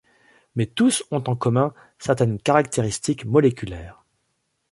Mais tous ont en commun certaines caractéristiques moléculaires.